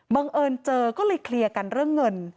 บังเอิญเจอก็เลยเคลียร์กันเรื่องเงิน